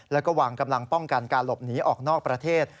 แล้วก็วางกำลังป้องกันการหลบหนีออกนอกประเทศ